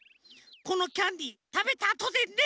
このキャンディーたべたあとでね！